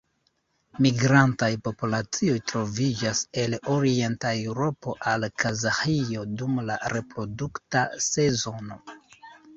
Migrantaj populacioj troviĝas el Orienta Eŭropo al Kazaĥio dum la reprodukta sezono.